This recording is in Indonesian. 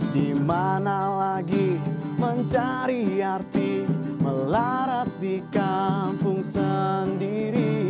di mana lagi mencari arti melarat di kampung sendiri